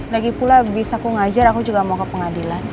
lagipula abis aku ngajar aku juga mau ke pengadilan